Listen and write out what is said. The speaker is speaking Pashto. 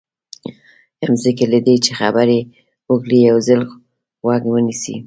مخکې له دې چې خبرې وکړئ یو ځل غوږ ونیسئ.